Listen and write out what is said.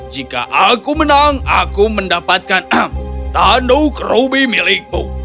jika aku menang aku mendapatkan tanduk robby milikmu